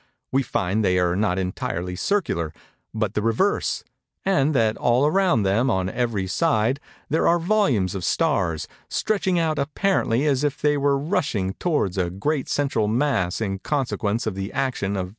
We find they are not entirely circular, but the reverse; and that all around them, on every side, there are volumes of stars, _stretching out apparently as if they were rushing towards a great central mass in consequence of the action of some great power_."